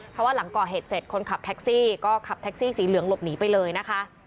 เพราะว่าหลังก่อเหตุเสร็จคนขับแท็กซี่ก็ขับแท็กซี่สีเหลืองหลบหนีไปเลยนะคะ